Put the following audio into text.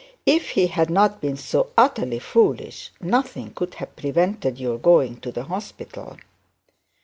If he had not been so utterly foolish, nothing could have prevented your going to the hospital.'